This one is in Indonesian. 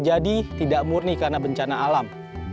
jadi tidak murni karena bencana alam